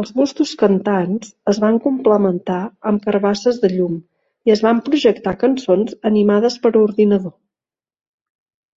Els bustos cantants es van complementar amb carbasses de llum i es van projectar cançons animades per ordinador.